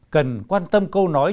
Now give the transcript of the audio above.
cần quan tâm câu nói